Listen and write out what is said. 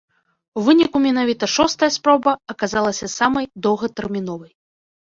У выніку менавіта шостая спроба аказалася самай доўгатэрміновай.